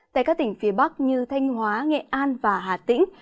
tại các tỉnh phía bắc như thanh hóa nghệ an và hà tĩnh